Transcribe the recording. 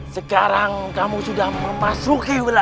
sekarang kamu sudah memasuki wilayah